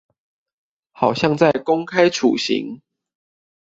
好像在公開處刑